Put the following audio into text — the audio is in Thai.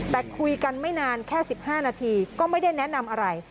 แต่คุยกันไม่นานแค่๑๕นาทีก็ไม่ได้แนะนำอะไร